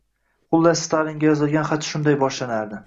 Xullas, Stalinga yozilgan xat shunday boshlanardi